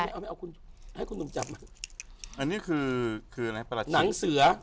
ไม่เอาไม่เอาคุณให้คุณหนุ่มจับมาอันนี้คือคืออะไรประหลัดหนังเสือ